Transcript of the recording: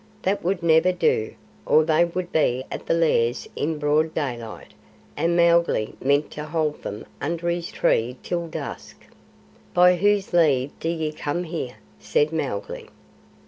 That would never do, or they would be at the Lairs in broad daylight, and Mowgli meant to hold them under his tree till dusk. "By whose leave do ye come here?" said Mowgli.